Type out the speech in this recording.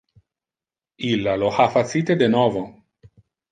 Illa lo ha facite de novo.